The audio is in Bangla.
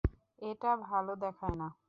এটা ভালো দেখায় না।